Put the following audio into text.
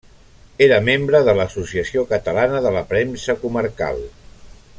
Era membre de l'Associació Catalana de la Premsa Comarcal.